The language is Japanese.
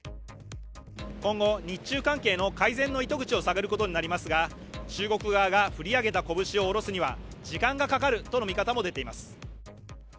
今後、日中関係の改善の糸口を探ることになりますが、中国側が振り上げた拳を下ろすには時間がかかるとの見方も出ています。